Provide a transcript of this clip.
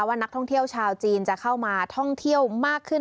ว่านักท่องเที่ยวชาวจีนจะเข้ามาท่องเที่ยวมากขึ้น